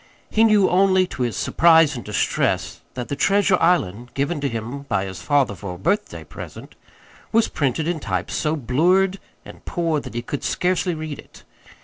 He knew only, to his surprise and distress, that the "Treasure Island," given to him by his father for a birthday present, was printed in type so blurred and poor that he could scarcely read it.